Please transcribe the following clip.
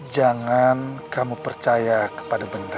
jangan kamu percaya kepada benda